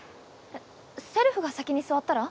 せるふが先に座ったら？